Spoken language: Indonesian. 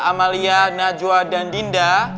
amalia najwa dan dinda